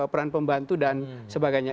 peran pembantu dan sebagainya